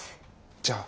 じゃあ。